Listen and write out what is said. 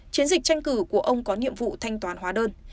chiến dịch tranh cử của ông có nhiệm vụ thanh toán hóa đơn